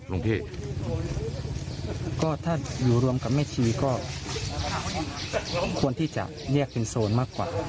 หลวงพี่ก็ถ้าอยู่รวมกับแม่ชีก็ควรที่จะแยกเป็นโซนมากกว่า